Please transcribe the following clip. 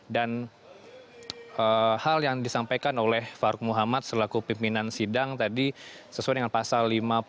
dan hal yang disampaikan oleh faruk muhammad selaku pimpinan sidang tadi sesuai dengan pasal lima puluh tujuh